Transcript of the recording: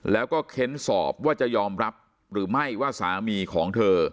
แล้วก็เค้นสอบว่าจะยอมรับหรือไม่ว่าสามีของเธอ